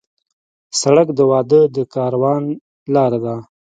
سړک د واده د کاروان لار ده.